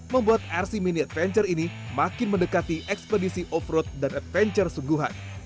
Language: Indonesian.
membuat rc mini adventure ini makin mendekati ekspedisi off road dan adventure sungguhan